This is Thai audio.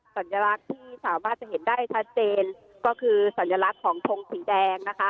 สัญลักษณ์ที่สามารถจะเห็นได้ชัดเจนก็คือสัญลักษณ์ของทงสีแดงนะคะ